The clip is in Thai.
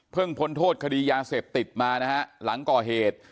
พ้นโทษคดียาเสพติดมานะฮะหลังก่อเหตุ